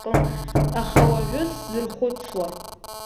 Аха уажәы сзырхәыцуа…